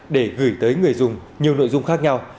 để gửi tới người dùng nhiều nội dung khác nhau